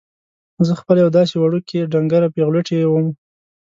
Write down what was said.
زه خپله یوه داسې وړوکې ډنګره پېغلوټې وم.